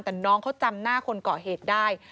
แต่น้องเขาจำหน้าคนเกาะเหตุได้